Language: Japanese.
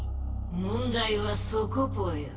問題はそこぽよ。